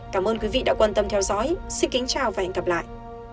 cảm ơn quý vị đã quan tâm theo dõi xin kính chào và hẹn gặp lại